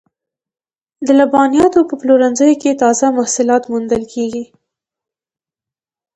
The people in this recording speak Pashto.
د لبنیاتو په پلورنځیو کې تازه محصولات موندل کیږي.